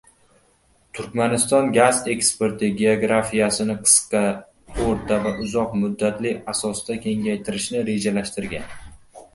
Turkmaniston gaz eksporti geografiyasini qisqa, o‘rta va uzoq muddatli asosda kengaytirishni rejalashtirgan